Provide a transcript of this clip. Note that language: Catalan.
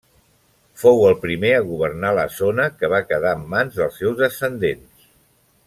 Fou el primer a governar la zona que va quedar en mans dels seus descendents.